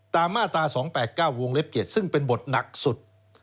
มาตรา๒๘๙วงเล็บ๗ซึ่งเป็นบทหนักสุด